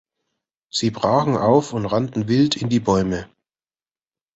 Sie brachen auf und rannten wild in die Bäume.